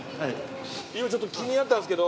今ちょっと気になったんですけど。